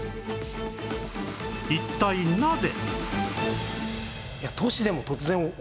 一体なぜ？